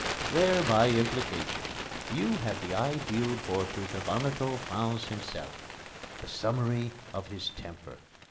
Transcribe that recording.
There, by implication, you have the ideal portrait of Anatole France himself the summary of his temper.